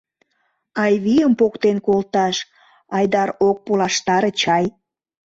Айвийым поктен колташ Айдар ок пулаштаре чай?